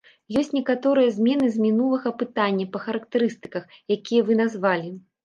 Ёсць некаторыя змены з мінулага апытання па характарыстыках, якія вы назвалі.